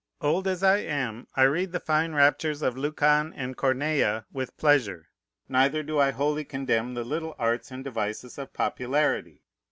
Old as I am, I read the fine raptures of Lucan and Corneille with pleasure. Neither do I wholly condemn the little arts and devices of popularity.